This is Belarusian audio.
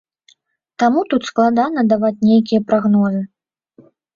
Таму тут складана даваць нейкія прагнозы.